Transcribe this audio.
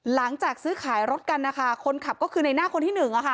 หลังจากซื้อขายรถกันนะคะคนขับก็คือในหน้าคนที่หนึ่ง